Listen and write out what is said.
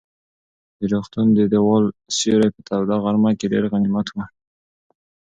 د روغتون د دېوال سیوری په توده غرمه کې ډېر غنیمت و.